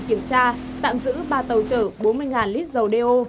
kiểm tra tạm giữ ba tàu chở bốn mươi lít dầu đeo